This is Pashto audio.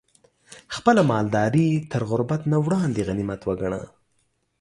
خپله مالداري تر غربت نه وړاندې غنيمت وګڼه